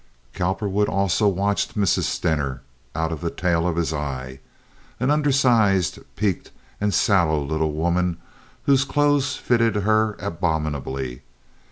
Cowperwood also watched Mrs. Stener out of the tail of his eye—an undersized, peaked, and sallow little woman, whose clothes fitted her abominably.